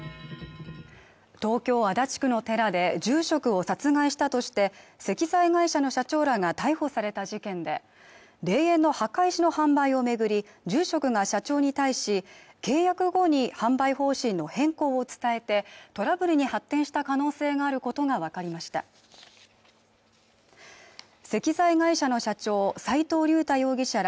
東京・足立区の寺で住職を殺害したとして石材会社の社長らが逮捕された事件で霊園の墓石の販売をめぐり住職が社長に対し契約後に販売方針の変更を伝えてトラブルに発展した可能性があることが分かりました石材会社の社長斉藤竜太容疑者ら